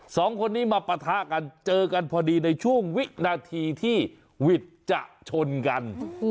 สองคนนี้มาปะทะกันเจอกันพอดีในช่วงวินาทีที่วิทย์จะชนกัน